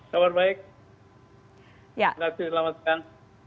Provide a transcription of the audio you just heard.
kabar baik selamat siang